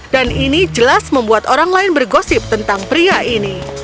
dan ini jelas membuat orang lain bergosip tentang pria ini